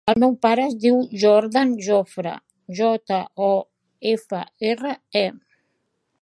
El meu pare es diu Jordan Jofre: jota, o, efa, erra, e.